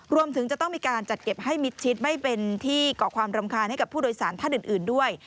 รวมถึงจะต้องมีการจัดเก็บให้มิดชิดไม่เป็นที่เกาะความรำคาญให้กับผู้โดยสารท่านอื่นด้วย